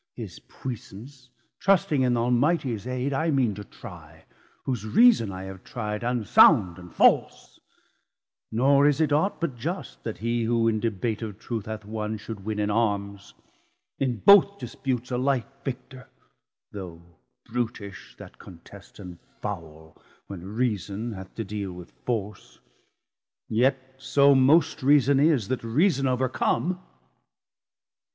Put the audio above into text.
His puissance, trusting in th' Almightie's aide, I mean to try, whose Reason I have tri'd 120 Unsound and false; nor is it aught but just, That he who in debate of Truth hath won, Should win in Arms, in both disputes alike Victor; though brutish that contest and foule, When Reason hath to deal with force, yet so Most reason is that Reason overcome.